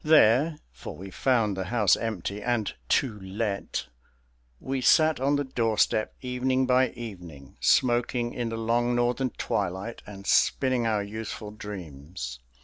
There (for we found the house empty and "To Let") we sat on the doorstep evening by evening, smoking in the long northern twilight and spinning our youthful dreams.